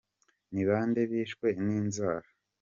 – Ni bande bishwe n’inzara ?